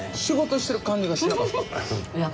仕事してる感じがしなかった。